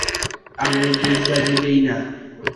আমি ডিগবাজি দেই না।